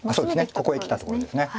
ここへきたところです。